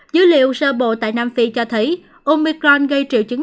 dữ liệu sơ bộ tại nam phi cho thấy omicron gây triệu chứng